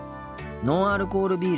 ノンアルコールビール。